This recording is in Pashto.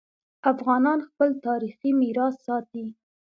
افغانان خپل تاریخي میراث ساتي.